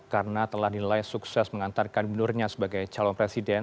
karena telah nilai sukses mengantarkan gubernurnya sebagai calon presiden